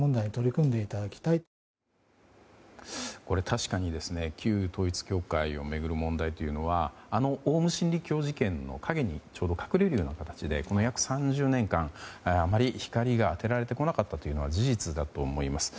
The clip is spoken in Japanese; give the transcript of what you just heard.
確かに旧統一教会を巡る問題というのはあのオウム真理教事件の陰に隠れるような形で約３０年間あまり光が当てられてこなかったことは事実だと思います。